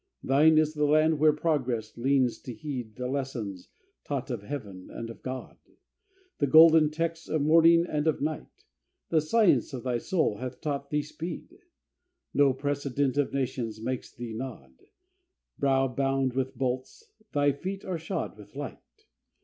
Thine is the land where Progress leans to heed The lessons taught of Heaven and of God, The golden texts of morning and of night: The science of thy soul hath taught thee speed! No precedent of Nations makes thee nod! Brow bound with bolts, thy feet are shod with light.